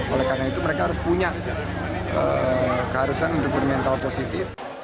oleh karena itu mereka harus punya keharusan untuk bermental positif